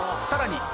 さらに。